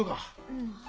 うん。